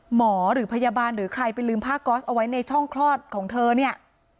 หรือพยาบาลหรือใครไปลืมผ้าก๊อสเอาไว้ในช่องคลอดของเธอเนี่ย